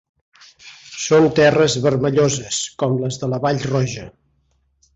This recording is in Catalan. Són terres vermelloses, com les de la Vall Roja.